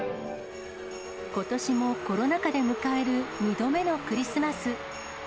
ことしもコロナ禍で迎える２度目のクリスマス。